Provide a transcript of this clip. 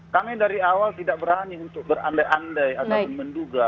kami dari awal tidak berani untuk berandai andai ataupun menduga